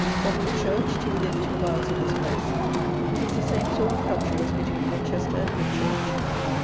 From Whitchurch to within two miles of this place it is the same sort of country as between Winchester and Whitchurch.